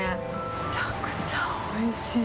めちゃくちゃおいしい。